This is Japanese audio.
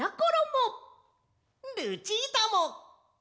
ルチータも！